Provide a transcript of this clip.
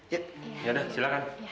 ya ya udah silakan